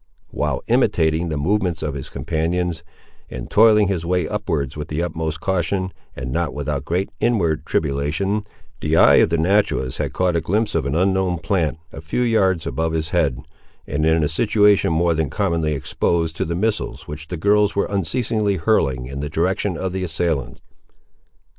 While imitating the movements of his companions, and toiling his way upward with the utmost caution, and not without great inward tribulation, the eye of the naturalist had caught a glimpse of an unknown plant, a few yards above his head, and in a situation more than commonly exposed to the missiles which the girls were unceasingly hurling in the direction of the assailants.